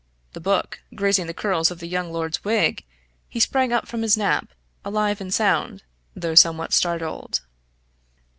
The book, grazing the curls of the young lord's wig, he sprang up from his nap, alive and sound, though somewhat startled.